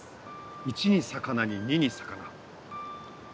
「一」に「魚」に「二」に「魚」。